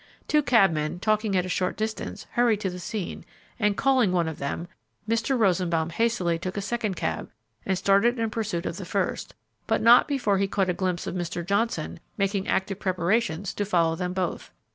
Two cabmen, talking at a short distance, hurried to the scene, and, calling one of them, Mr. Rosenbaum hastily took a second cab and started in pursuit of the first, but not before he had caught a glimpse of Mr. Johnson making active preparations to follow them both.